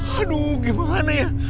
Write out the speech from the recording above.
aduh gimana ya